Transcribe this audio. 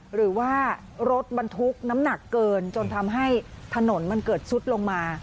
หรือว่ารถบรรทุกน้ำหนักเกินจนทำให้ถนนมันเกิดซุดลงมา